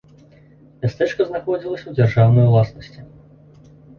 Мястэчка знаходзілася ў дзяржаўнай уласнасці.